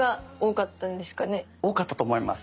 多かったと思います。